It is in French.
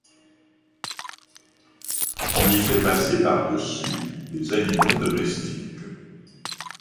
On y fait passer par-dessus les animaux domestiques.